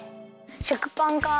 食パンかあ。